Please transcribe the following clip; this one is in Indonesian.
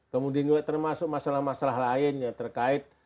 kemudian juga termasuk masalah masalah lain yang terkait